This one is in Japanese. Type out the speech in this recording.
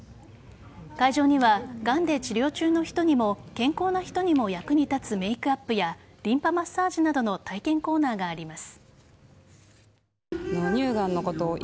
会場には、がんで治療中の人にも健康な人にも役に立つメイクアップやリンパマッサージなどの体験コーナーがあります。